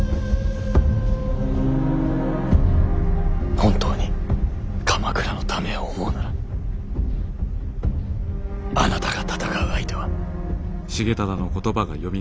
本当に鎌倉のためを思うならあなたが戦う相手は。